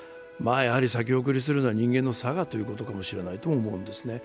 先送りするのが人間のさがということかもしれないと思うんですね。